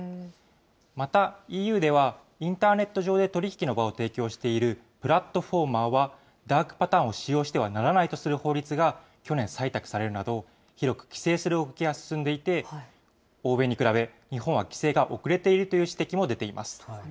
また、ＥＵではインターネット上で取り引きの場を提供しているプラットフォーマーは、ダークパターンを使用してはならないとする法律が、去年採択されるなど、広く規制する動きが進んでいて、欧米に比べ、日本は規制が遅れているという指摘も出ています。